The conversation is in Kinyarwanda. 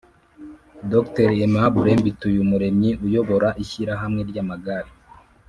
Dr Aimable Mbituyumuremyi uyobora ishyirahamwe ry’amagare